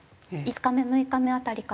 ５日目６日目辺りから。